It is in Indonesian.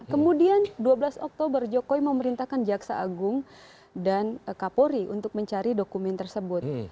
kemudian dua belas oktober jokowi memerintahkan jaksa agung dan kapolri untuk mencari dokumen tersebut